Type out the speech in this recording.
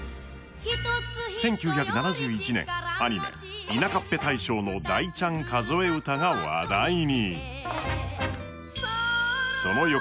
１９７１年、アニメ「いなかっぺ大将」の「大ちゃん数え歌」が話題に。